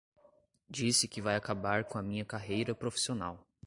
Disse que vai acabar com a minha carreira profissional